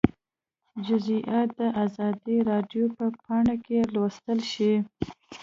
جزییات د ازادي راډیو په پاڼه کې لوستلی شئ